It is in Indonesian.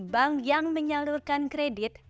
bank yang menyalurkan kredit